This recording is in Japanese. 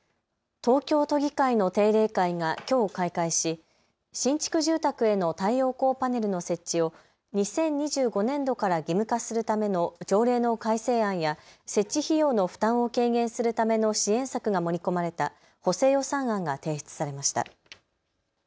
東京都議会の定例会がきょう開会し新築住宅への太陽光パネルの設置を２０２５年度から義務化するための条例の改正案や設置費用の負担を軽減するための支援策が盛り込まれた補正予算案が提出されました。